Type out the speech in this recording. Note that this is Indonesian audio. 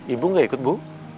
ibu gak ikut bu